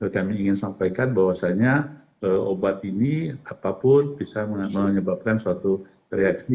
kami ingin sampaikan bahwasannya obat ini apapun bisa menyebabkan suatu reaksi